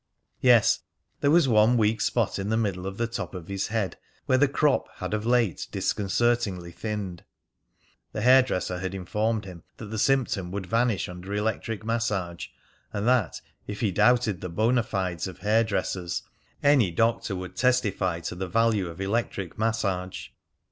Yes, there was one weak spot in the middle of the top of his head where the crop had of late disconcertingly thinned. The hair dresser had informed him that the symptom would vanish under electric massage, and that, if he doubted the bonafides of hair dressers, any doctor would testify to the value of electric massage.